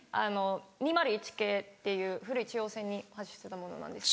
２０１系っていう古い中央線に走ってたものなんですけど。